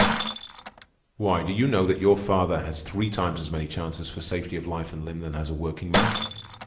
"Why, do you know that your father has three times as many chances for safety of life and limb than has a working man?